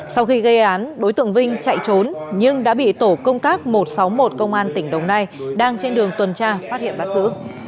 sau khi gây án đối tượng vinh chạy trốn nhưng đã bị tổ công tác một trăm sáu mươi một công an tỉnh đồng nai đang trên đường tuần tra phát hiện bắt giữ